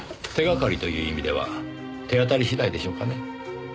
手掛かりという意味では手当たり次第でしょうかね。